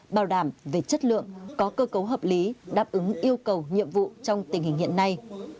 bảo đảm về chất lượng có cơ cấu hợp lý đáp ứng yêu cầu nhiệm vụ trong tình hình hiện nay